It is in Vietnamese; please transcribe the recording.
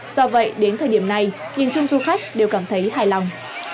do vậy đến thời điểm này nhìn chung du khách đều cảm thấy hài lòng